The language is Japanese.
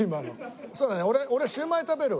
そうだね俺シウマイ食べるわ。